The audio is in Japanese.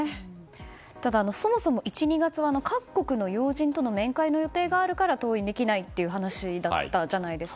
ただ、そもそも１、２月は各国の要人との面会予定があるから登院できないという話だったじゃないですか。